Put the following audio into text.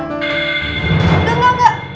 enggak enggak enggak